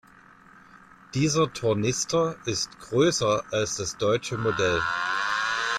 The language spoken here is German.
Dieser Tornister ist größer als das deutsche Modell.